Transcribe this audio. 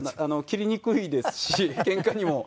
切りにくいですしケンカにも。